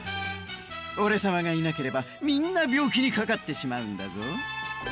オレさまがいなければみんなびょうきにかかってしまうんだぞ。